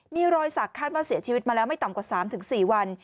มีรอยสักคาดว่าเสียชีวิตมาแล้วไม่ต่ำกว่า๓๔วัน